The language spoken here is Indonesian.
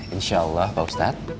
insya allah pak ustadz